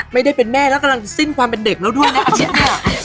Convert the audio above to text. ไม่ได้เป็นแม่แล้วกำลังสิ้นความเป็นเด็กแล้วด้วยนะอาทิตย์เนี่ย